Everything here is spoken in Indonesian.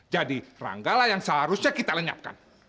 jadi ranggalah yang seharusnya kita lenyapkan